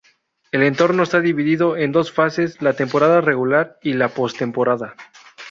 El torneo está dividido en dos fases, la temporada regular y la post-temporada.